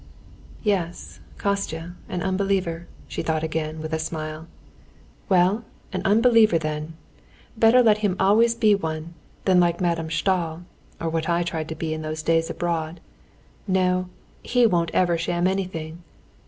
"Yes, Kostya, an unbeliever," she thought again with a smile. "Well, an unbeliever then! Better let him always be one than like Madame Stahl, or what I tried to be in those days abroad. No, he won't ever sham anything."